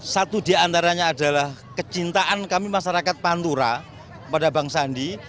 satu di antaranya adalah kecintaan kami masyarakat pantura pada bang sandi